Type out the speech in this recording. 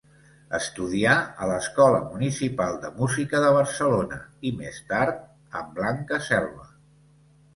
Estudià a l'Escola Municipal de Música de Barcelona, i més tard amb Blanca Selva.